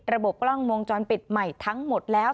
ระบบกล้องวงจรปิดใหม่ทั้งหมดแล้ว